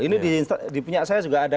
ini di pihak saya juga ada